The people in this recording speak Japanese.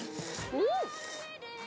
うん！